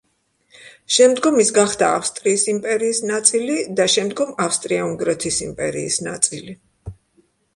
შემდგომ ის გახდა ავსტრიის იმპერიის ნაწილი და შემდგომ ავსტრია-უნგრეთის იმპერიის ნაწილი.